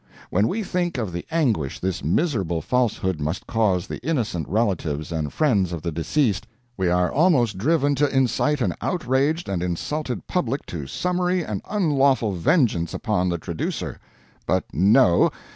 When we think of the anguish this miserable falsehood must cause the innocent relatives and friends of the deceased, we are almost driven to incite an outraged and insulted public to summary and unlawful vengeance upon the traducer. But no!